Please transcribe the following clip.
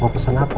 mau pesen apa